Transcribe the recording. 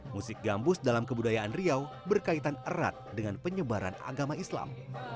musik gambus dalam kebudayaan riau berkaitan erat dengan penyebaran agama islam